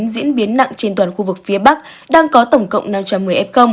diễn biến nặng trên toàn khu vực phía bắc đang có tổng cộng năm trăm một mươi f